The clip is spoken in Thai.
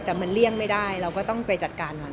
แต่มันเลี่ยงไม่ได้เราก็ต้องไปจัดการมัน